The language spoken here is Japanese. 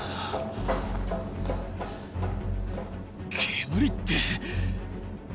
煙って。